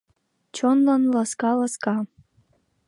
Чонлан ласка-ласка...